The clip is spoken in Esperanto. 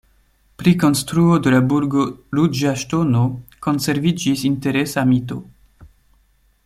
Pri konstruo de la burgo Ruĝa Ŝtono konserviĝis interesa mito.